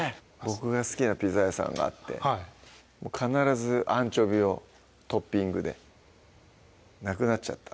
僕が好きなピザ屋さんがあって必ずアンチョビーをトッピングでなくなっちゃった